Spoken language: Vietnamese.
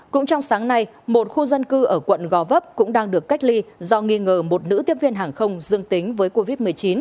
cũng trong sáng nay một khu dân cư ở quận gò vấp cũng đang được cách ly do nghi ngờ một nữ tiếp viên hàng không dương tính với covid một mươi chín